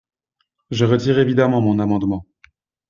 Je retire évidemment mon amendement.